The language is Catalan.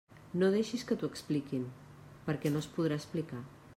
No deixis que t'ho expliquin, perquè no es podrà explicar!